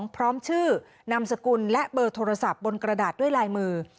พร้อมชื่อนามสกุลและเบอร์โทรศัพท์บนกระดาษด้วยลายมือ